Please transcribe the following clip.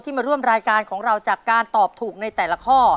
มาร่วมรายการของเราจากการตอบถูกในแต่ละข้อ